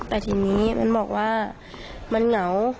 แต่ทีนี้มันบอกว่ามันเหงา